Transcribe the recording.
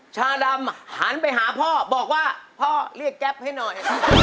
ชาดำหันไปหาพ่อบอกว่าพ่อเรียกแก๊ปให้หน่อย